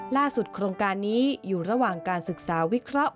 โครงการนี้อยู่ระหว่างการศึกษาวิเคราะห์